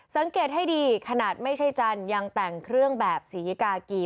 สังเกตให้ดีขนาดไม่ใช่จันทร์ยังแต่งเครื่องแบบศรีกากี